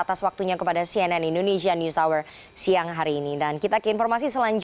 atas waktunya kepada cnn indonesia news hour siang hari ini